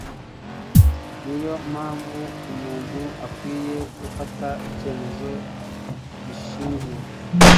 niyo mpamvu umuntu akwiye gufata icyemezo gishingiye